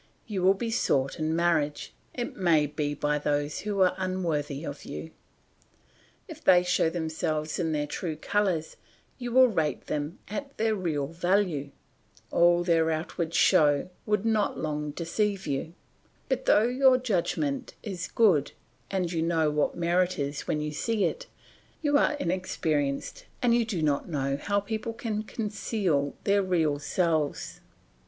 You will be sought in marriage, it may be by those who are unworthy of you. If they showed themselves in their true colours, you would rate them at their real value; all their outward show would not long deceive you; but though your judgment is good and you know what merit is when you see it, you are inexperienced and you do not know how people can conceal their real selves.